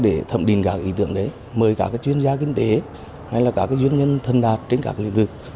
để thẩm định các ý tưởng đấy mời các chuyên gia kinh tế hay là các doanh nhân thân đạt trên các lĩnh vực